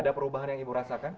ada perubahan yang ibu rasakan